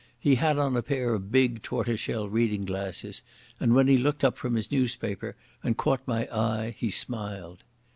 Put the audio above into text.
He had on a pair of big tortoiseshell reading glasses, and when he looked up from his newspaper and caught my eye he smiled.